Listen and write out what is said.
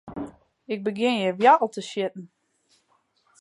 Ik begjin hjir woartel te sjitten.